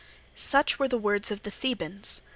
Such were the words of the Thebans.